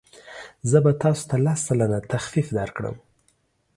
زه به تاسو ته لس سلنه تخفیف درکړم.